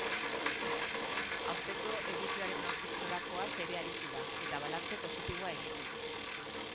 Aurtengo edizioaren nondik-norakoaz ere aritu da, eta balantze positiboa egin du.